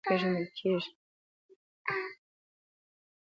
افغانستان د یاقوت له مخې پېژندل کېږي.